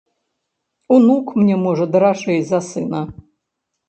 Унук мне, можа, даражэй за сына.